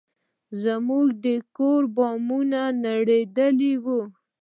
زموږ د کور بامونه نړېدلي وو.